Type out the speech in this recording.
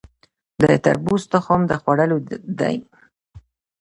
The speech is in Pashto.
د تربوز تخم د خوړلو دی؟